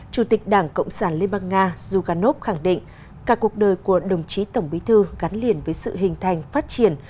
chủ tịch đảng cộng sản liên bang nga zhuganov khẳng định cả cuộc đời của đồng chí tổng bí thư gắn liền với sự hình thành phát triển